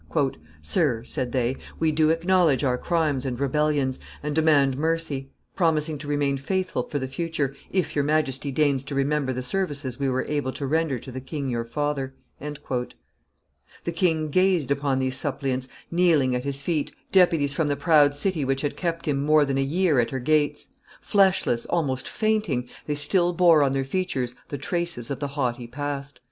"Sir," said they, "we do acknowledge our crimes and rebellions, and demand mercy; promising to remain faithful for the future, if your Majesty deigns to remember the services we were able to render to the king your father." The king gazed upon these suppliants kneeling at his feet, deputies from the proud city which had kept him more than a year at her gates; fleshless, almost fainting, they still bore on their features the traces of the haughty past.